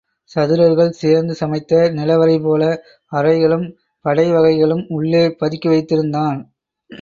சதுரர்கள் சேர்ந்து சமைத்த நில வறை போல அறைகளும் படை வகைகளும் உள்ளே பதுக்கி வைத்திருந்தான்.